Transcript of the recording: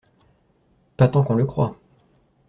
Pas tant qu’on le croit.